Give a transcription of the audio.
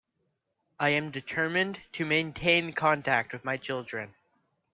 I am determined to maintain contact with my children.